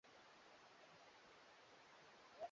na ukweli ni asilimia nne tu